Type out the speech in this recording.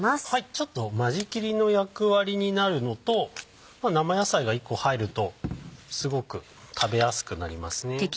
ちょっと間仕切りの役割になるのと生野菜が１個入るとすごく食べやすくなりますね。